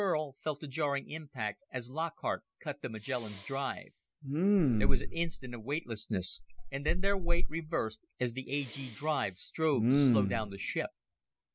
Burl felt the jarring impact as Lockhart cut the Magellan's drive. There was an instant of weightlessness, and then their weight reversed as the A G drive strove to slow down the ship.